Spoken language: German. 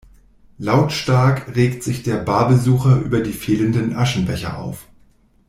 Lautstark regt sich der Barbesucher über die fehlenden Aschenbecher auf.